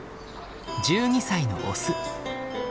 １２歳のオス。